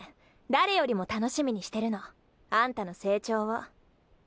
誰よりも楽しみにしてるのあんたの成長を。